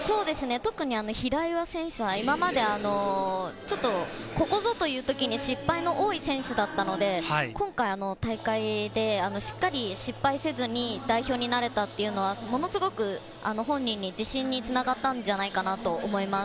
特に平岩選手は、今まで、ちょっとここぞという時に、失敗の多い選手だったので、今回の大会でしっかり失敗せずに代表になれたっていうのは、ものすごく本人の自信に繋がったんじゃないかなと思います。